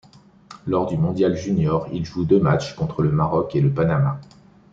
Lors du mondial junior, il joue deux matchs, contre le Maroc et le Panama.